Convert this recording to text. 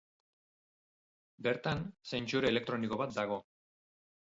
Bertan, sentsore elektroniko bat dago.